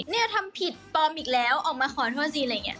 เนี่ยทำผิดปลอมอีกแล้วออกมาขอโทษสิอะไรอย่างนี้